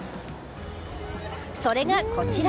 それが、こちら。